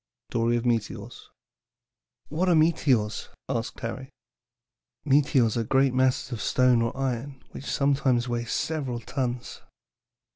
'" STORY OF METEORS. "What are meteors?" asked Harry. "Meteors are great masses of stone or iron which sometimes weigh several tons.